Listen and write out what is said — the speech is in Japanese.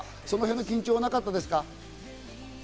その辺の緊張はなかったですか？